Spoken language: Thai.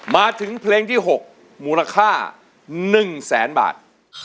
มาถึงเพลงที่๖มูลค่า๑แสนบาท